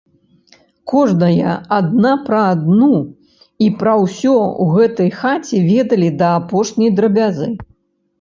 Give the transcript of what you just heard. Кожная адна пра адну і пра ўсё ў гэтай хаце ведалі да апошняй драбязы.